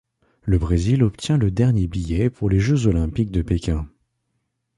Le Brésil obtient le dernier billet pour les Jeux Olympiques de Pékin.